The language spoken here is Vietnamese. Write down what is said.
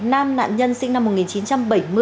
nam nạn nhân sinh năm một nghìn chín trăm bảy mươi